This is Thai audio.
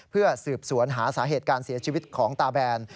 เพื่อสืบสวนหาสาเหตุการเสียชีวิตของตาแบน